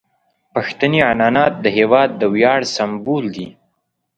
پښتني عنعنات د هیواد د ویاړ سمبول دي.